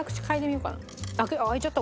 あっ開いちゃった。